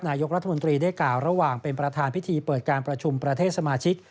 นายกรัฐมนตรีได้กล่าวระหว่างเป็นประธานพิธีเปิดการประชุมประเทศสมาชิก